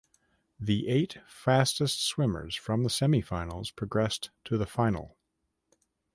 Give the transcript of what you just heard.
The eight fastest swimmers from the semifinals progressed to the final.